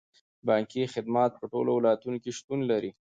بانکي خدمات په ټولو ولایتونو کې شتون لري.